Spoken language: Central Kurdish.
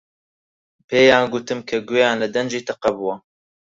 پێیان گوتم کە گوێیان لە دەنگی تەقە بووە.